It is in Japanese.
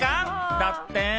だって。